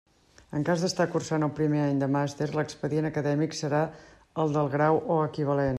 En cas d'estar cursant el primer any de màster, l'expedient acadèmic serà el del grau o equivalent.